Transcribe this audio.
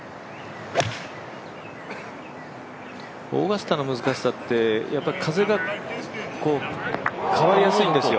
オーガスタの難しさって風が変わりやすいんですよ。